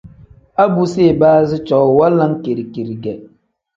A bu si ibaazi cowuu wanlam kiri-kiri ge.